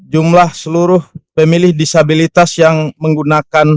jumlah seluruh pemilih disabilitas yang menggunakan